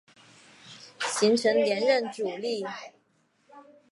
形成连任阻力。